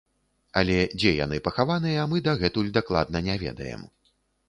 Але дзе яны пахаваныя, мы дагэтуль дакладна не ведаем.